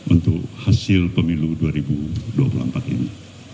untuk hasil pemilu dua ribu dua puluh empat ini